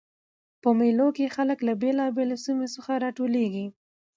په مېلو کښي خلک له بېلابېلو سیمو څخه راټولیږي.